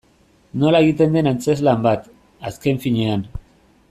Nola egiten den antzezlan bat, azken finean.